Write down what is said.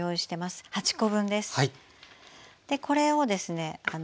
これをですね